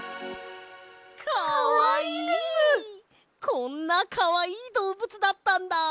こんなかわいいどうぶつだったんだ。